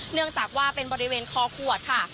เนื่องจากว่าเป็นบริเวณคอขวดค่ะ